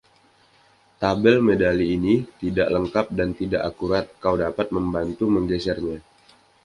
Tabel medali ini tidak lengkap dan tidak akurat; kau dapat membantu menggesernya.